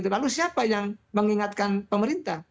lalu siapa yang mengingatkan pemerintah